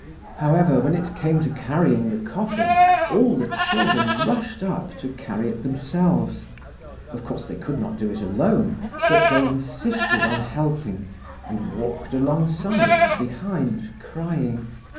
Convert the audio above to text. However, when it came to carrying the coffin, all the children rushed up, to carry it themselves. Of course they could not do it alone, but they insisted on helping, and walked alongside and behind, crying.